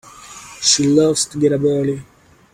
She loves to get up early.